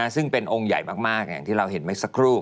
ซึ่งเป็นองค์ใหญ่มากอย่างที่เราเห็นเมื่อสักครู่